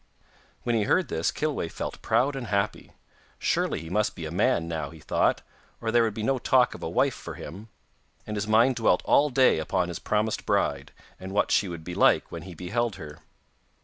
When he heard this Kilweh felt proud and happy. Surely he must be a man now, he thought, or there would be no talk of a wife for him, and his mind dwelt all day upon his promised bride, and what she would be like when he beheld her.